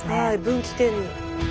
分岐点に。